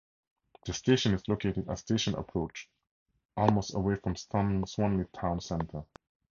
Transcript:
The station is located at Station Approach, almost away from Swanley Town Centre.